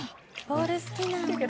ボウル好きなんだ。